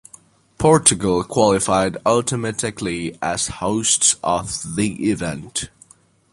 Portugal qualified automatically as hosts of the event.